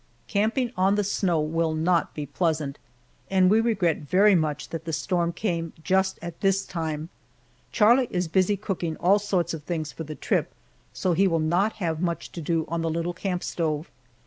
Camping on the snow will not be pleasant, and we regret very much that the storm came just at this time. Charlie is busy cooking all sorts of things for the trip, so he will not have much to do on the little camp stove.